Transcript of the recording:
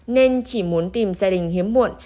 nên chỉ muốn tìm gia đình hiếm muộn